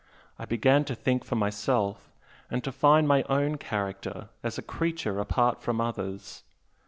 I began to think for myself, and to find my own character as a creature apart from others.